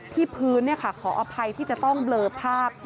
ที่พื้นขออภัยที่จะต้องเบลอภาพ